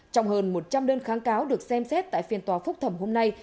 trong hơn một trăm linh đơn kháng cáo được xem xét tại phiên tòa phúc thẩm hôm nay